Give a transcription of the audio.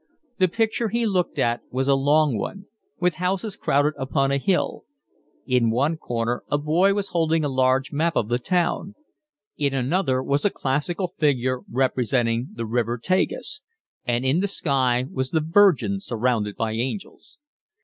The picture he looked at was a long one, with houses crowded upon a hill; in one corner a boy was holding a large map of the town; in another was a classical figure representing the river Tagus; and in the sky was the Virgin surrounded by angels.